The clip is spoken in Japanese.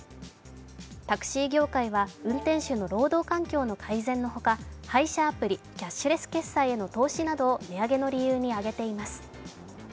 タクシー業界は運転手の労働環境の改善のほか配車アプリ、キャッシュレス決済への投資などを値上げの理由に挙げています。